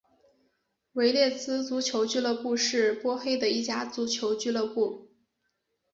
维列兹足球俱乐部是波黑的一家足球俱乐部。